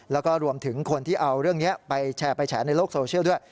แล้วก็รวมถึงคนที่เอาเรื่องนี้ไปแชร์ไปแฉในโลกโซเชียลด้วย